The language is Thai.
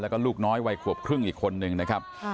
แล้วก็ลูกน้อยวัยขวบครึ่งอีกคนนึงนะครับ